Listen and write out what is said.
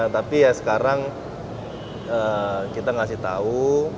tapi ya sekarang kita ngasih tahu